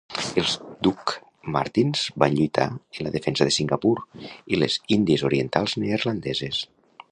Els Dutch Martins van lluitar en la defensa de Singapur i les Índies Orientals Neerlandeses.